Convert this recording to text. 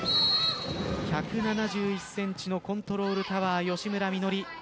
１７１ｃｍのコントロールタワー吉村美乃里。